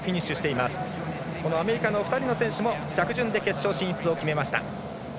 アメリカの２人の選手も着順で決勝進出を決めました。